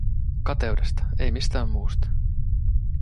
Kateudesta, ei mistään muusta.